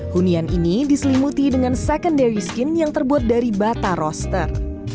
hunian ini diselimuti dengan secondary skin yang terbuat dari bata roster